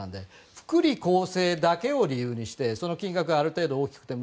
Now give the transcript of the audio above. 福利厚生だけを理由にしてその金額がある程度大きくても